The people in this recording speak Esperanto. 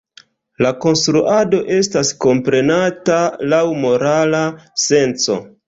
La konstruado estas komprenata laŭ morala senco.